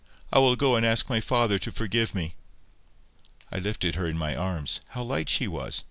I will go and ask my father to forgive me." I lifted her in my arms—how light she was!